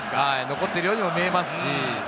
残ってるようにも見えますしね。